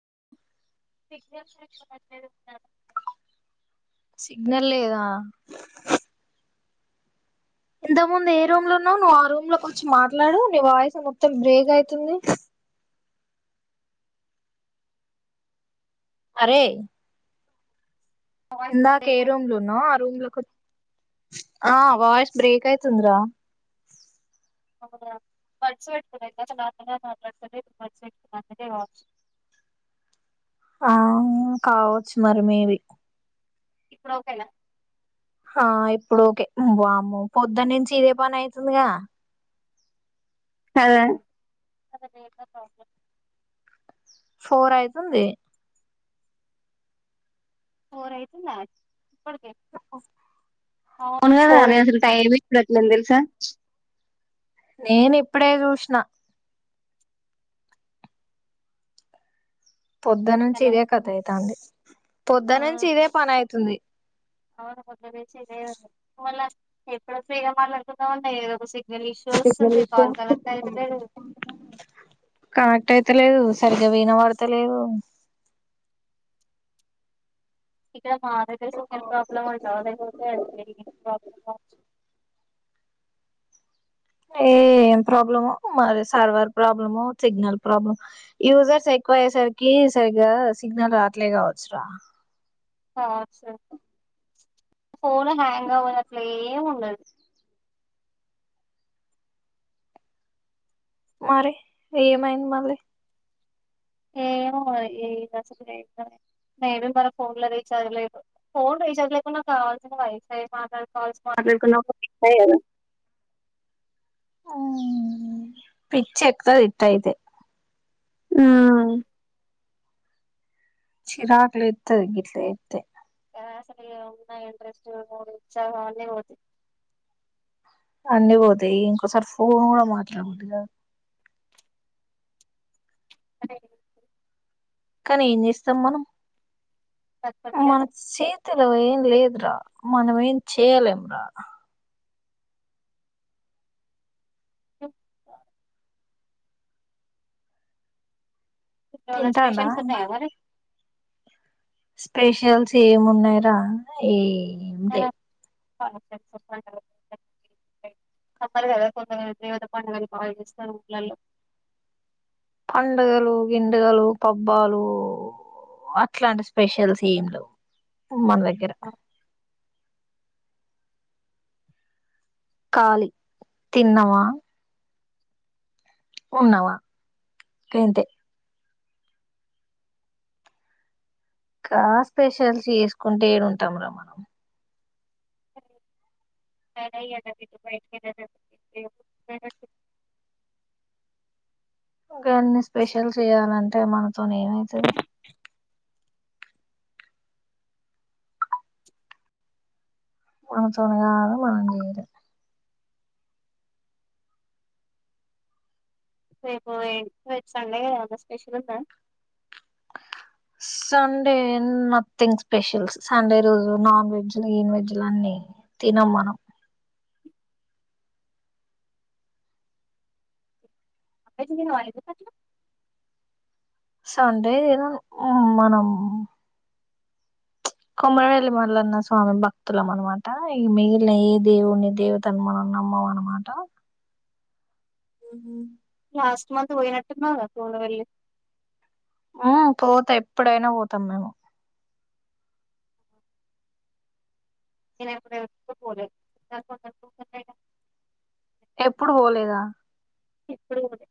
[unintelligible] [inaudible] Signal సరిగ్గా వోత్తలేదు. గదా సిగ్నల్ లేదా ఇంతకు ముందు ఏ రూమ్లో ఉన్నావ్ నువ్వు ఆ రూమ్లో వోచ్చి మాట్లాడు నీ వాయిస్ మొత్తం బ్రేక్ అయితుంది. అరేయ్ వాయిస్ ఇందాక కట్ ఏ అయిపోతుంది రూమ్ల ఉన్నావు ఆ రూమ్ లోకి వో ఆ వాయిస్ బ్రేక్ అయితుంది రా అవునా బడ్స్ పెట్టుకున్న ఇందాక నార్మల్గా మాట్లాతుండే ఇప్పుడు బడ్స్ పెట్టుకున్న అందుకే కావచ్చు. ఆ ఉ కావచ్చు మరి మేబి ఇప్పుడోకేనా ఆ ఇప్పుడోకే వామ్మో పొద్దన్నించి ఇదే పని అయితుందిగా అదే ఫోర్ అయితుంది. అవున్ గదా ఫోర్ నే అయి అసలు టైమే ఇప్పుడెట్లుంది దేలుసా నేనిప్పుడే చూసిన పొద్దన్నుంచి హలో ఇదే కథ అయితంది. ఆ పొద్దన్నించి ఇదే పనయితుంది. అవును పోద్దన్నించి ఇదేగదా ఒవేల్లా ఎప్పుడు ఫ్రిగా మాట్లాడుకుందాం అన్న ఎదొక సిగ్ కనెక్ట్ అయితలేదు సరిగ్గా వినవడ్తలేదు. ఇడ మా దగ్గర సిగ్నల్ ప్రాబ్లం అంటవ లేకపోతే ప్రాబ్లెమ్ కావచ్చు. ఏ ఏం ప్రాబ్లమో మరి సర్వర్ ప్రాబ్లమో సిగ్నల్ ప్రాబ్లమో యూజర్స్ ఎక్ ఎక్కువయ్యేసరికి సరిగా సిగ్నల్ రావట్లే కావచ్చురా కావచ్చు ఫోను హాంగ్ అవ్వదు. ఆట్లే ఏం ఉండదు. మరి ఏమైంది మళ్ళీ ఏమో మరి ఇడ సక్కగా [unintelligible] మేబి వాల ఫోన్ ల రీచార్జ్ లేదు ఫోన్ రీచార్జ్ లేకున్నా కావాల్సిన వైఫై మాట్లాడుకోవాల్సిన మాట్లాడుకున్న ఒకటి పై గదా [unintelligible] హ్ పిచ్చెక్కు తది ఇట్లయితే హ్ చిరాకు లేత్తది గిట్ల చేత్తె ఆ సక్కగా ఉన్నా ఇంట్రెస్ట్ మూడు ఉచ్చహం అన్ని పోతయ్ అన్నివోతాయి ఇంకోసారి ఫోన్ కూడా మాట్లాడబుద్ది గాదు. [inaudible] కానీ ఏం చేస్తాం మనం మన చేతిలో ఏం లేదు రా మనం ఏం చేయలేం రా టుక్ తానే ఇప్పుడెమన్న తింటాండా స్పెషల్స్ అన్న వున్నాయ మరి స్పెషల్స్ ఏమ్ ఉన్నాయిరా ఏం లేవు [unintelligible] తప్పదు గాదా కొంత [unintelligible] ఏమైతే పండుగలు బాగా చేస్తారు. ఊర్లల్లో పండగలు గిండుగలు పబ్బాలు అట్లాంటి స్పెషల్స్ ఏం లేవు మన దగ్గర కాలి తిన్నవా ఉన్నావా ఇంతే కా స్పెషల్స్ చేసుకుంట ఏడు ఉంటాం రా మనం [inaudible] గన్ని స్పెషల్స్ చెయాలంటే మనతోనీ ఏమైతది మన తోని కాదు మనం చేయలేం రేపు ఏ సండే కదా స్పెషల్ ఉందా సండే నథింగ్ స్పెషల్ సండే రోజు నాన్ వెజ్లు ఈన్ వెజ్లు అన్ని తినం మనం వెజ్ తినవా ఎందుకు అట్లా సండే తినను మనం కొమరవేల్లీ మళ్ళన్న స్వామి భక్తులం అనమాట ఈ మిగిలిన ఏ దేవుని దేవుత ను మనం నమ్మం ఆనమాట హు లాస్ట్ మంత్ పోయినట్టున్నవ్ కదా కొమరవెల్లి ఆ పోతా ఎప్పుడైనా పోతాం మేము నేను ఎప్పుడు పోలే [inaudible] ఎప్పుడు పోలేదా ఎప్పుడు పోలే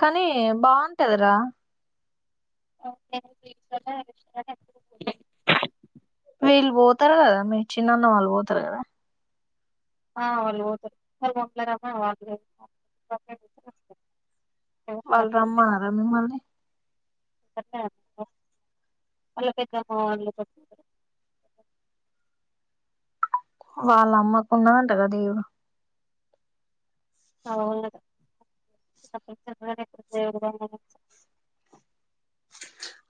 కానీ బాగుంటది రా [inaudible] వీళ్ళు పోతారు కదా మీ చిన్నన్న వాళ్ళు పోతారు కదా ఆ వాళ్ళు పోతారు [inaudible] వాళ్ళు రమ్మన్నార మిమ్మల్ని వాళ్ళా పెద్దమ్మ వాళ్ళు [inaudible] వాళ్ళ అమ్మకు ఉన్నా దంట కదా దేవుడు ఆవ్ ఉందట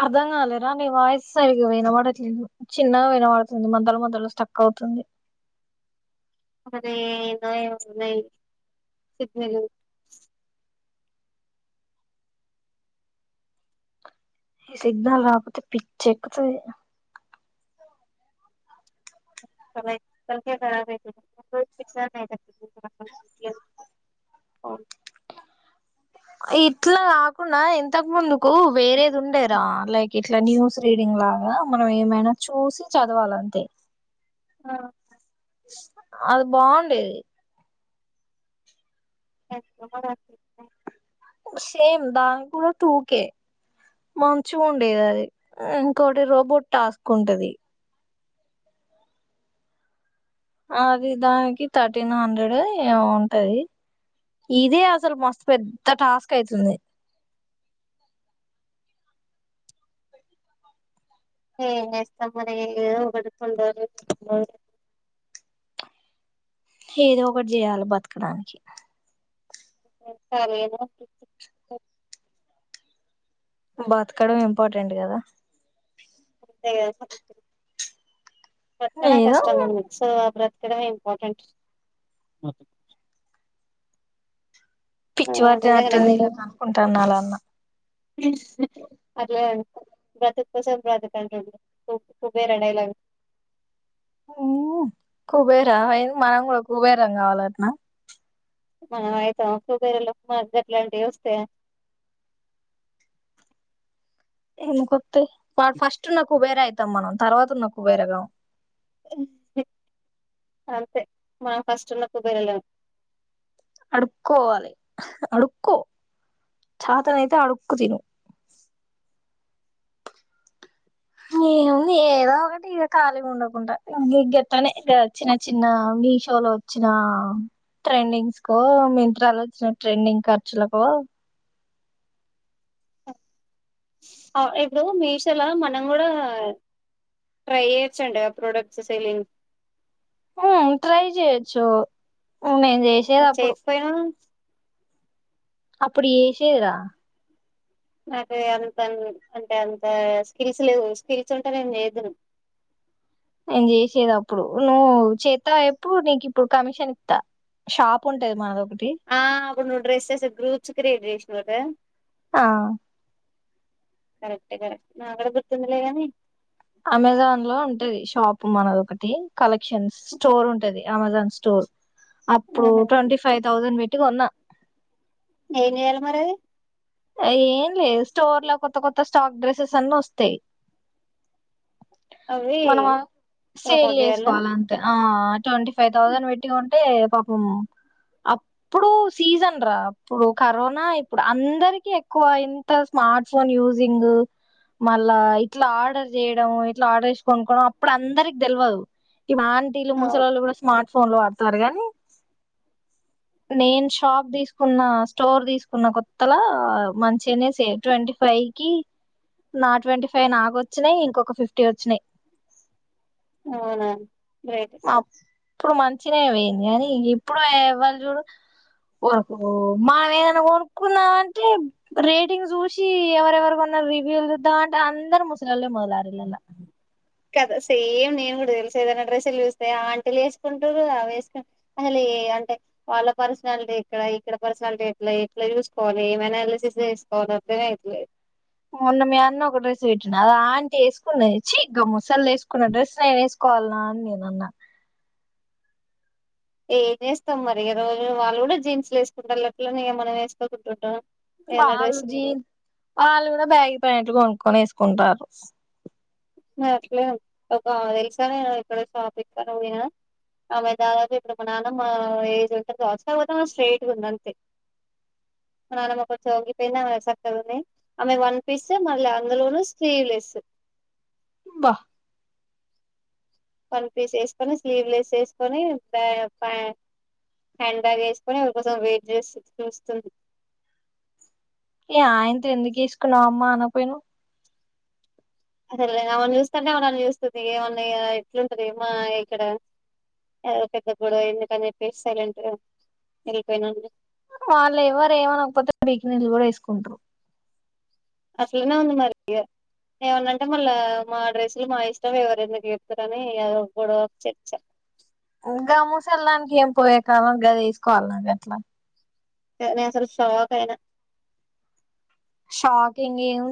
అర్థం కాలేరా నీ వాయిస్ సరిగ్గా వినబడట్లేదు చిన్నగా వినబడుతుంది మధ్యలో మద్యలో స్ట్రక్ అవితుంది [unintelligible] సిగ్నల్ సిగ్నల్ రాకపోతే పిచ్చ ఎక్కుతది [inaudible] ఓ ఇట్లా కాకుండా ఇంతకు ముందుకు వేరేది ఉండేరా లైక్ ఇట్లా న్యూస్ రీడింగ్ లాగా మనం ఏమైనా చూసి చదవాలంతే ఆ అది బాగుండేది [inaudible] సేమ్ దాని కూడా టూ కే మంచిగా ఉండేది అది ఇంకోటి రోబోట్ టాస్క్ ఉంటది అది దానికి థర్టీన్ హండ్రెడ్ ఏమో ఉంటది ఇదే అసలు మస్తు పెద్ద టాస్క్ అయితుంది ఎం చేస్తావ్ మరి ఏదో ఒకటి [unintelligible] ఏదో ఒకటి చేయాలి బతకడానికి [unintelligible] బతకడమే ఇంపార్టెంట్ కదా ఏమో బతకడం ఏదో కష్టంగా ఉంది సో ఇక్కడ ఇంపార్టెంట్ పిచ్చి నిజంగానే వట్టినట్టుంది అనుకుంటాండు అలా అన్నా. పిస్ పర్లేదు [inaudible] కోసేపు బ్రతుకు అంటడు కు కుబేరా డయిలాగు. హ్ కుబేర ఏయింది మనం కూడా కుబేరలు కావాలఅటనా. మనం అయితమా కుబేరులం మనకి గట్లాంటివి వస్తయా. [inaudible] ఎందుకు వత్తయి వాడు ఫస్ట్ ఉన్న కుబేర అయితం మనం తర్వాత ఉన్న కుబేరకాం ఎం అంతే మనం ఫస్ట్ ఉన్న కుబేరులం అడుక్కోవ్వాలే అడుక్కో చాతనైతే అడుక్కు తిను. ఏముంది ఏదో ఒకటి ఇగా ఖాళీగా ఉండకుండా ఇ గత్తనే గా చిన్న చిన్న మిషోలో వచ్చినా ట్రెండింగ్స్ కో మింత్రాలో వచ్చిన ట్రెండింగ్ ఖర్చులకో ఇప్పుడు మీషోలా మనం కూడా ట్రై చేయచ్చంటా కదా ప్రొడక్ట్స్ సెల్లింగ్ ఆ ట్రై చేయొచ్చు నేను చేశేది అప్పుడు. చేయకపోయినా అప్పుడు చేశేదా నాకు అంత అంటే అంత స్కిల్స్ లేవు స్కిల్స్ ఉంటే నేను చేద్దును. [inaudible] నేను చేసేది అప్పుడు నువ్వు చేత్తవా చెప్పు నీకు ఇప్పుడు కమిషన్ ఇత్తా. షాప్ ఉంటది మనది ఒక ఆ అప్పుడు నువ్వు డ్రెస్సెస్ గ్రూప్స్ క్రియేట్ చేసినవ్ కదా. ఆ కరెక్టే కరెక్ట్ నాక్కూడా గుర్తుందిలే కానీ అమెజాన్ లో ఉంటది షాప్ మనదొకటి కలెక్షన్స్ స్టోర్ ఉంటది అమెజాన్ స్టోర్ అప్పుడు ఆహా ట్వంటీ ఫైవ్ థౌజండ్ పెట్టి కొన్నా ఏం చేయాలె మరి అది ఏం లేదు స్టోర్ లో కొత్త కొత్త స్టాక్ డ్రెస్సెస్ అన్ని వస్తయి. అవి మనం ఆ సేల్ ప్రమోట్ చేయాలా చేసుకోవాలి అంతే. ఆ ట్వంటీ ఫైవ్ థౌజండ్ పెట్టి కొంటే పాపం అప్పుడు సీజన్ రా అప్పుడు కరోనా ఇప్పుడు అందరి కిఎక్కువ ఇంత స్మార్ట్ ఫోన్ యూజింగ్ మళ్ళా ఇట్లా ఆర్డర్ చేయడం, ఇట్లా ఆర్డర్ చేసికొనుకోవడం అప్పుడు అందరికి తెలియదు. ఇప్పుడు ఆంటీలు, అవు- ముసలోళ్ళు కూడా స్మార్ట్ ఫోన్లు వాడుతున్నరు గాని. నేను షాప్ తీసుకున్నా స్టోర్ తీసుకున్న కొత్తలా ఆ మంచిగనే సే ట్వంటీ ఫైవ్ కి నా ట్వంటీ ఫైవ్ నాకు వచ్చినయి ఇంకొక ఫిఫ్టీ వచ్చినయి. అవునా గ్రేటే అప్పుడు మంచిగనే పోయింది కానీ ఇప్పుడు ఎవ్వళు చూడు ఒరుకు మనం ఏదన్నా కొనుక్కున్నామం టే రేటింగ్ చూసి ఎవరెవరుకొన్నరు రివ్యూలు చూద్దాం అంటే అందరు ముస లోల్లే ఉన్నరు ఆ రివ్యూలల్లా. కదా సేమ్ నేను కూడా తెలుసు ఏదైనా డ్రెస్సులు చూస్తే ఆంటీలు వేసుకుంటారు అవి వేసుకు అసలు కే అంటే వాళ్ళ పర్సనాలిటీ ఎక్కడ ఇక్కడ పర్సనాలిటీ ఎట్లా, ఎట్లా చూసుకోవాలి ఏమానాలసిస్ చేసుకోవాలి. [inaudible] అర్థంమే అయితలేదు. మొన్న మీ అన్న ఒక డ్రెస్ పెట్టినిండు అది ఆంటీ వేసుకున్నది. చీ గా ముసల్దీ వేసుకున్న డ్రెస్ నేను ఏసుకో వాల్నా అని నేనన్నా. ఏం చేేస్తాం మరి. ఈ రోజులో వాళ్ళు కూడా జీన్స్లు వేసుకుంటాల్లు అట్లని మనం వేసుకోకుంటా ఉంటమా. వాళ్ళు జీన్ వాళ్ళు కూడా బ్యాగి ప్యాంట్లు కొనుక్కొని ఎసుకుంటాల్లు. అట్లేదు ఒక తెలుసా నేను ఇక్కడ షాపింగ్ అని పోయినా ఆమె దాదాపు ఇప్పుడు మా నాన్నమా ఏజ్ ఉంటంది చస్తా పోతే స్ట్రేట్గా ఉంది అంతే మా నాన్నమ్మ కొగిపోయింది ఆమె చక్కగా ఉన్నాయి ఆమె వన్ పీస్ మళ్ళీ అందులోనూ స్లీవ్ లెస్ బహ వన్ పీస్ వేసుకొని స్లీవ్ లెస్ వేసుకొని హ్యాండ్ బ్యాగ్ వేసుకొని అకోంచసం వెయిట్ చేస్త చూస్తుంది ఏ ఆయనతో ఎందుకు వేసుకున్నావమ్మా అనపోను అదేలే అమని చూస్తంటే అమనన్నని చూస్తుంది ఏమన్నా ఎట్లుంటది మా ఇక్కడ అదో పెద్ద గొడవయింది ఎందుకని చెప్పి సైలెంట్ గా వెళ్ళిపోయినండి వాళ్ళు ఎవరు ఏమనకపోతే బీకి నీళ్ళు కూడా వేసుకుంటారు అసలునా అంద మారిగా ఏమన్నాంటే మళ్ళా మా డ్రెస్సులు మా ఇష్టం ఎవరు ఎందుకు చెప్తారని కూడా చచ ఇంకా మూసెళ్డానికి ఏం పోయే కాలం ఇ గ తీసుకోవాలి నాకు అట్లా తనేసలు శోక్ ఏనా షాకింగ్ ఏ